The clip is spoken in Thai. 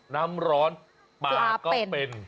น้ำร้อนปลาก็เป็น